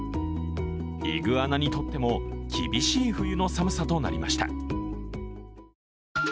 イグアナにとっても厳しい冬の寒さとなりました。